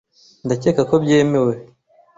Ndakeka ko byemewe .